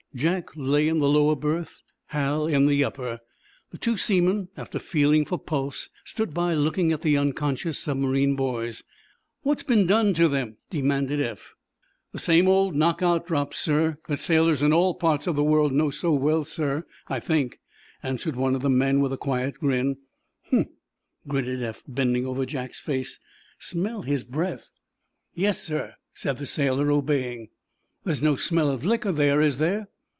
Jack lay in the lower berth, Hal in the upper. The two seamen, after feeling for pulse, stood by looking at the unconscious submarine boys. "What's been done to them?" demanded Eph. "The same old knockout drops, sir, that sailors in all parts of the world know so well, sir, I think," answered one of the men, with a quiet grin. "Humph!" gritted Eph, bending over Jack's face. "Smell his breath." "Yes, sir," said the sailor, obeying. "There's no smell of liquor, there, is there?"